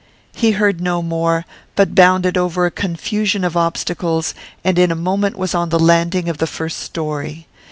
He heard no more, but bounded over a confusion of obstacles, and in a moment was on the landing of the first storey.